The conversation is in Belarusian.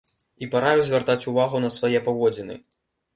І параіў звяртаць увагу на свае паводзіны.